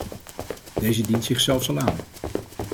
Deze dient zich zelfs al aan.